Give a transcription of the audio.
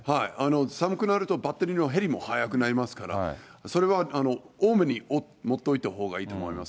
寒くなるとバッテリーの減りも早くなりますから、それは多めに持っておいたほうがいいと思います。